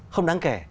không đáng kể